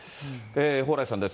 蓬莱さんです。